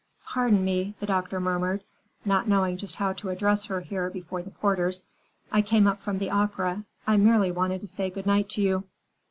"Pardon me," the doctor murmured, not knowing just how to address her here before the porters, "I came up from the opera. I merely wanted to say good night to you."